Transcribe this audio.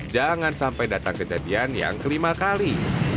jangan sampai datang kejadian yang kelima kali